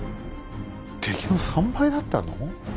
敵の３倍だったの？